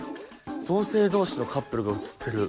同性同士のカップルが写ってる。